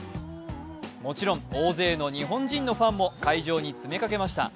もちろん大勢の日本人のファンも会場に詰めかけました。